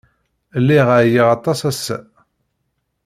Lliɣ ɛyiɣ aṭas ass-a.